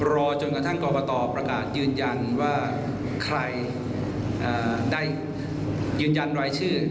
รอจนกระทั่งกรกตประกาศยืนยันว่าใครได้ยืนยันรายชื่อ